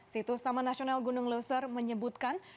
situs taman nasional gunung leuser menyebutkan